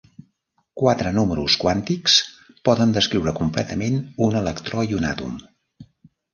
Quatre números quàntics poden descriure completament un electró i un àtom.